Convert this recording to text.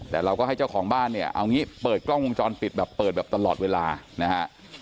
แต่เราก็ให้เจ้าของบ้านเนี่ยเอางี้เปิดกล้องวงจรปิดแบบเปิดแบบตลอดเวลานะฮะ